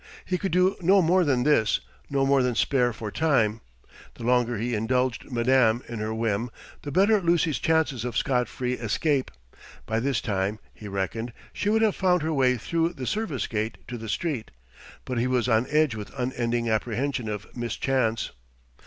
He could do no more than this no more than spare for time: the longer he indulged madame in her whim, the better Lucy's chances of scot free escape. By this time, he reckoned, she would have found her way through the service gate to the street. But he was on edge with unending apprehension of mischance.